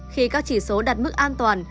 khi các chỉ số đặt mức an toàn